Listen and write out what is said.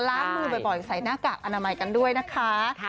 ล้างมือบ่อยใส่หน้ากากอนามัยกันด้วยนะคะ